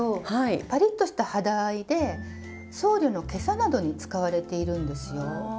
パリッとした肌合いで僧侶の袈裟などに使われているんですよ。